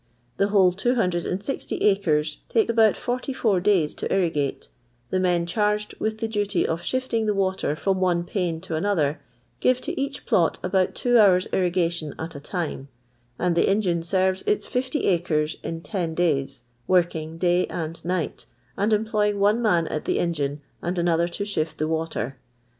The whole 260 screj take about 44 days to irrigate; the mea charged with the duty of shifting the writer from one pane to another give to each pl c about two hours' irrigation at a time; and trie engine serves its 60 acres in ten dajrs, work ing day and night, and eroplojring one man at the engine and another to shift the crater.